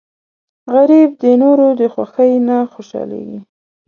غریب د نورو د خوښۍ نه خوشحالېږي